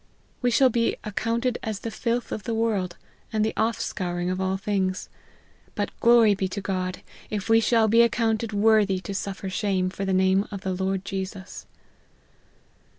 We shall be 4 accounted as the filth of the world, and the off scouring of all things.' But glory be to God, if we shall be accounted wor thy to suffer shame for the name of the Lord Jesus."